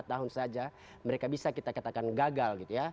empat tahun saja mereka bisa kita katakan gagal gitu ya